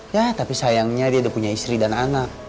ya tapi sayangnya dia udah punya istri dan anak